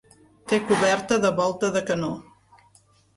Té coberta de volta de canó.